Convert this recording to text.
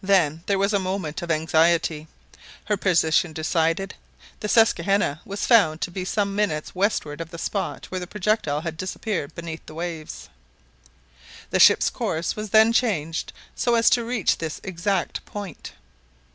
Then there was a moment of anxiety. Her position decided, the Susquehanna was found to be some minutes westward of the spot where the projectile had disappeared beneath the waves. The ship's course was then changed so as to reach this exact point.